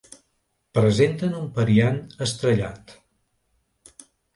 Presenten un Periant estrellat.